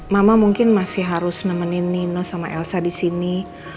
mama mungkin masih harus nemenin nino sama elsa disini